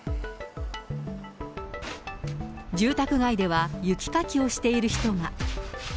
住宅街では雪かきをしている人が。